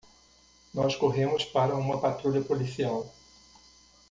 Nós corremos para uma patrulha policial.